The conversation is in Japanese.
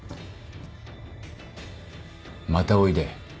またおいで。